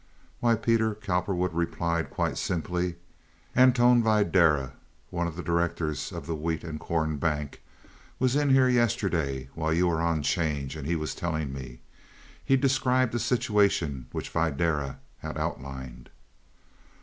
"Why, Peter," Cowperwood replied, quite simply, "Anton Videra" (one of the directors of the Wheat and Corn Bank) "was in here yesterday while you were on 'change, and he was telling me." He described a situation which Videra had outlined.